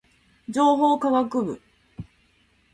情報科学部